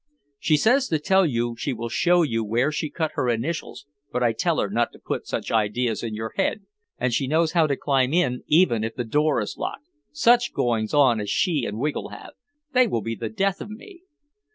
She says to tell you she will show you where she cut her initials but I tell her not to put such ideas in your head and she knows how to climb in even if the door is locked, such goings on as she and Wiggle have, they will be the death of me.